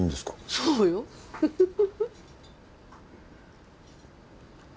そうよフフフフフ。